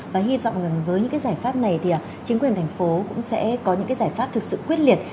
và hy vọng với những giải pháp này thì chính quyền thành phố cũng sẽ có những giải pháp thực sự quyết liệt